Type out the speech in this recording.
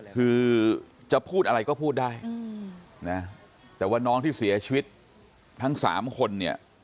คือจะพูดอะไรก็พูดได้นะแต่ว่าน้องที่เสียชีวิตทั้งสามคนเนี่ย